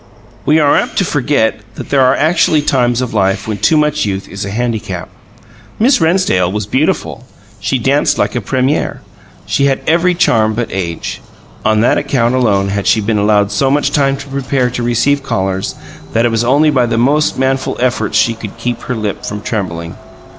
We are apt to forget that there are actually times of life when too much youth is a handicap. Miss Rennsdale was beautiful; she danced like a premiere; she had every charm but age. On that account alone had she been allowed so much time to prepare to receive callers that it was only by the most manful efforts she could keep her lip from trembling.